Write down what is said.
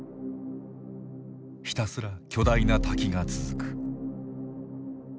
ひたすら巨大な滝が続く。